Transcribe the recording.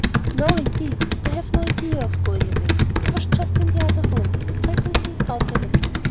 "No, indeed, I have no idea of going away. I was just in the other room, straightening things out a little.